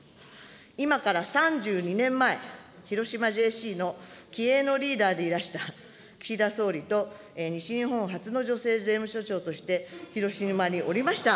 今から３２年前、広島ＪＣの気鋭のリーダーでいらした岸田総理と、西日本初の女性税務署長として、広島におりました